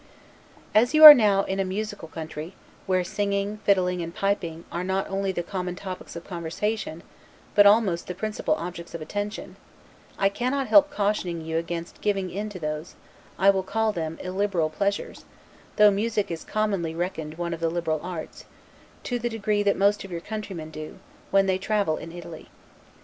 As you are now in a musical country, where singing, fiddling, and piping, are not only the common topics of conversation, but almost the principal objects of attention, I cannot help cautioning you against giving in to those (I will call them illiberal) pleasures (though music is commonly reckoned one of the liberal arts) to the degree that most of your countrymen do, when they travel in Italy.